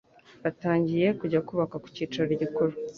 batangiye kujya kubaka ku cyicaro gikuru